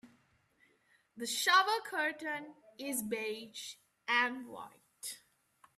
The shower curtain is beige and white.